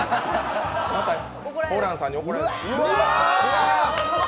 またホランさんに怒られる。